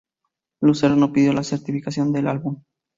Lucero no pidió la certificación del álbum.